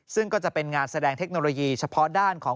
ซึ่งก็จะเป็นงานแสดงเทคโนโลยีเฉพาะด้านของ